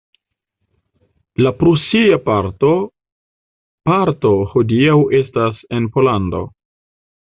La prusia parto parto hodiaŭ estas en Pollando.